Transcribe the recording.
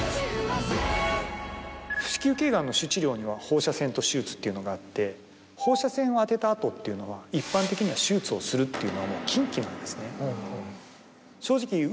子宮頸がんの主治療には放射線と手術というのがあって放射線を当てた後っていうのは一般的には手術をするというのはもう禁忌なんですね。